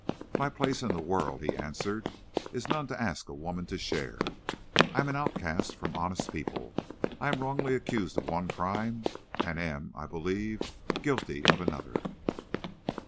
"My place in the world," he answered, "is none to ask a woman to share. I am an outcast from honest people; I am wrongly accused of one crime, and am, I believe, guilty of another."